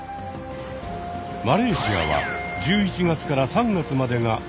マレーシアは１１月から３月までが雨季にあたる。